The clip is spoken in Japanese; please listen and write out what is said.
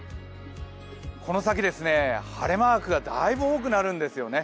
この先、晴れマークがだいぶ多くなるんですよね。